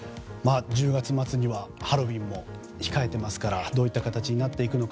１０月末にはハロウィーンも控えていますからどういった形になっていくのか。